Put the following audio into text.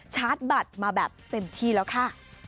ชาร์จบัตรมาแบบเต็มที่แล้วค่ะ